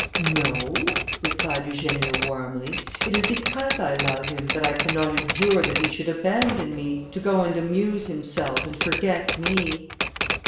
"No," replied Eugenia warmly; "it is because I love him, that I cannot endure that he should abandon me, to go and amuse himself and forget me."